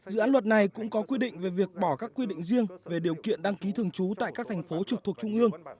dự án luật này cũng có quy định về việc bỏ các quy định riêng về điều kiện đăng ký thường trú tại các thành phố trực thuộc trung ương